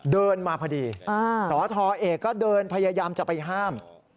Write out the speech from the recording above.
เดินมาพอดีสทเอกก็เดินพยายามจะไปห้าม